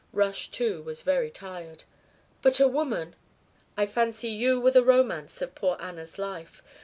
Rush too was very tired. "But a woman " "I fancy you were the romance of poor Anna's life.